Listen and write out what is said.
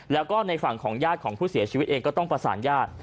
แล้วก็ในฝั่งของญาติของผู้เสียชีวิตเองก็ต้องประสานญาติ